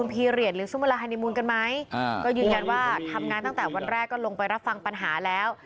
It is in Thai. ก็ยืนยันว่าทำงานตั้งแต่วันแรกก็ลงไปรับฟังปัญหาแล้ว